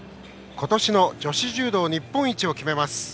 今年の女子柔道日本一を決めます